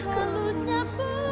mama tenang ya